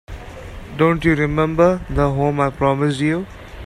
Don't you remember the home I promised you?